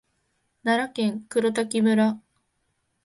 奈良県黒滝村